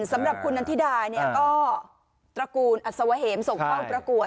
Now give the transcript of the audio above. สำหรับคุณนันทิดาเนี่ยก็ตระกูลอัศวะเหมส่งเข้าประกวด